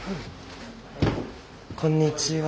こんにちは。